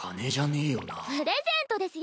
プレゼントですよ。